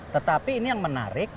tetapi ini yang menarik